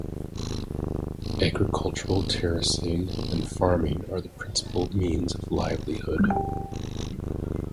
Agricultural terracing and farming are the principal means of livelihood.